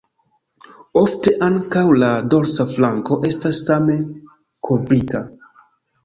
Ofte ankaŭ la dorsa flanko estas same kovrita.